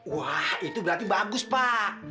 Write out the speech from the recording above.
wah itu berarti bagus pak